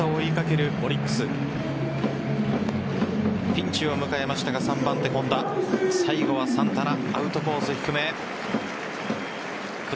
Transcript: ピンチを迎えましたが３番手・本田最後はサンタナアウトコース低め。